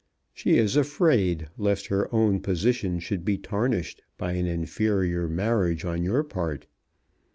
She is afraid, lest her own position should be tarnished by an inferior marriage on your part.